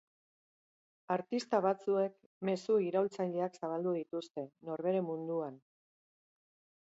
Artista batzuek mezu iraultzaileak zabaldu dituzte, norbere munduan.